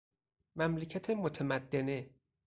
مملکت متمدنه